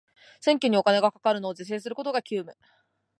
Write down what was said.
選挙にお金がかかるのを是正することが急務